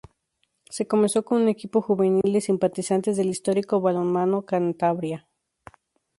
Se comenzó con un equipo juvenil de simpatizantes del histórico Balonmano Cantabria.